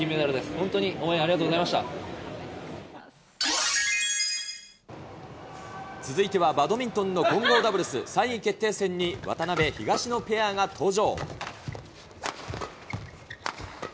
本当に応援続いてはバドミントンの混合ダブルス、３位決定戦に渡辺・東野ペアが登場。